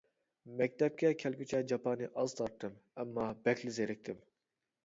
مەكتەپكە كەلگۈچە جاپانى ئاز تارتتىم، ئەمما بەكلا زېرىكتىم.